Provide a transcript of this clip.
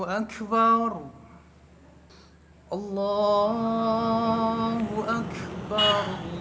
allahu akbar allahu akbar